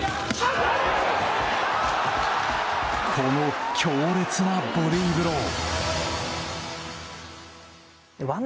この強烈なボディーブロー。